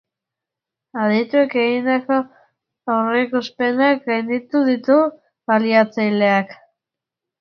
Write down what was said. Adituek egindako aurrikuspenak gainditu ditu bilatzaileak.